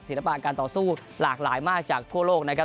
ศิลปะการต่อสู้หลากหลายมากจากทั่วโลกนะครับ